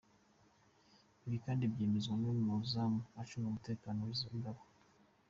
Ibi kandi byemezwa n’umuzamu ucunga umutekano w’iwabo.